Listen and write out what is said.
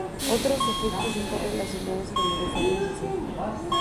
Otros efectos están relacionados con el desarrollo social.